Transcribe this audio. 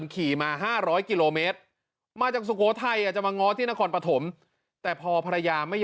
ขี่มา๕๐๐กิโลเมตรมาจากสุโขทัยจะมาง้อที่นครปฐมแต่พอภรรยาไม่